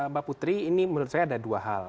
mbak putri ini menurut saya ada dua hal